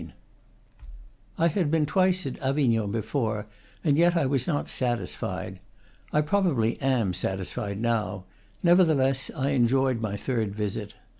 XXXIII. I had been twice at Avignon before, and yet I was not satisfied. I probably am satisfied now; neverthe less, I enjoyed my third visit.